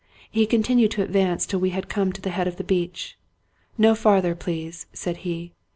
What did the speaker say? He continued to advance till we had come to the head of the beach. " No farther, please," said he.